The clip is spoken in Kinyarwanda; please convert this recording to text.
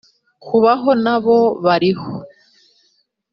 kubaho nabo bariho